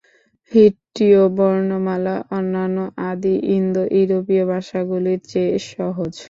হিট্টীয় বর্ণমালা, অন্যান্য আদি ইন্দো-ইউরোপীয় ভাষাগুলির চেয়ে সহজ।